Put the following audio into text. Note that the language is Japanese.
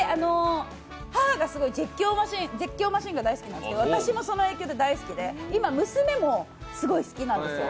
母がすごい絶叫マシンが大好きなんですけど、私もその影響で大好きで今、娘もすごい好きなんですよ。